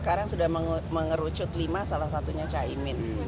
sekarang sudah mengerucut lima salah satunya caimin